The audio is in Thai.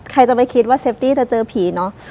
ใครจะไปคิดว่าเซฟตี้จะเจอผีเนอะ